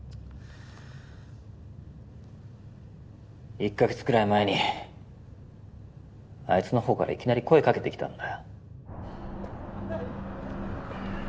１か月くらい前にあいつの方からいきなり声掛けてきたんだよ。